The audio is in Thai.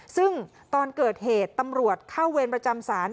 ซึ่งตอนเกิดเหตุตำรวจเข้าเวรประจำศาล